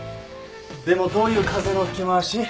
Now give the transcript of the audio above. でもどういう風の吹き回し？